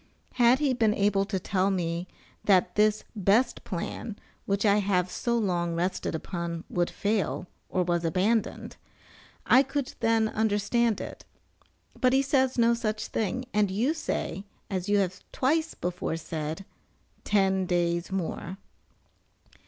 Had he been able to tell me that this best plan, which I have so long rested upon, would fail, or was abandoned, I could then understand it, but he says no such thing, and you say, as you have twice before said, "ten days more."